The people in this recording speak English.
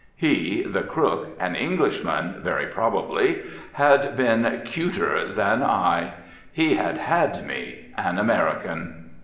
He, the crook, an Englishman very probably, had been "cuter" than I; he had "had" me, an American.